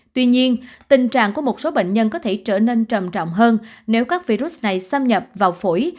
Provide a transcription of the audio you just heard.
tuy nhiên tình trạng của một số bệnh nhân có thể trở nên trầm trọng hơn nếu các virus này xâm nhập vào phổi